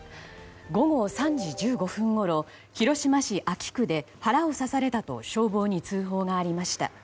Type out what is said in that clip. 午後３時１５分ごろ広島市安芸区で腹を刺されたと消防に通報がありました。